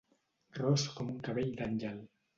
Ros com un cabell d'àngel.